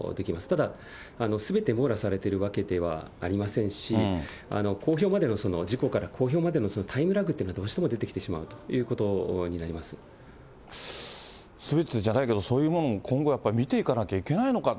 ただ、すべて網羅されているわけではありませんし、公表までの、事故から公表までのタイムラグというのは、どうしても出てきてしすべてじゃないけど、そういうものも今後やっぱ見ていかなきゃいけないのか。